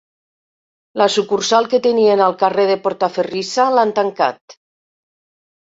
La sucursal que tenien al carrer de Portaferrissa l'han tancat.